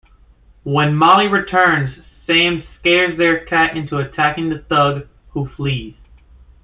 When Molly returns, Sam scares their cat into attacking the thug, who flees.